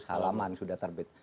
lima ratus halaman sudah terbit